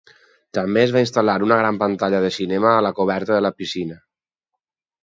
També es va instal·lar una gran pantalla de cinema a la coberta de la piscina.